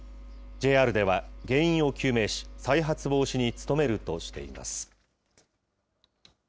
ＪＲでは原因を究明し、再発防止に努めるとしています。